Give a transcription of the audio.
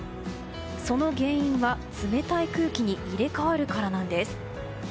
その原因は冷たい空気に入れ替わるからなんです。